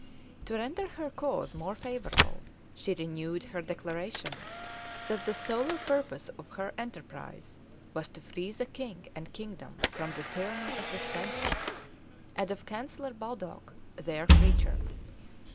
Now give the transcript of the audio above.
To render her cause more favorable, she renewed her declaration, that the solo purpose of her enterprise was to free the king and kingdom from the tyranny of the Spensers, and of Chancellor Baldoc, their creature.